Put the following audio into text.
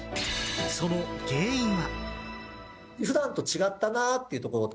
その原因は。